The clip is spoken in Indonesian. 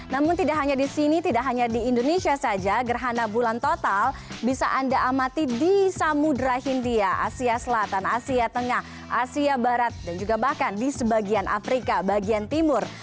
namun tidak hanya di sini tidak hanya di indonesia saja gerhana bulan total bisa anda amati di samudera hindia asia selatan asia tengah asia barat dan juga bahkan di sebagian afrika bagian timur